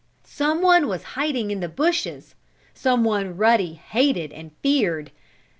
Someone was hiding in the bushes someone Ruddy hated and feared.